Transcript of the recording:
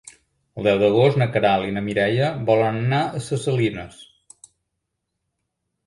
El deu d'agost na Queralt i na Mireia volen anar a Ses Salines.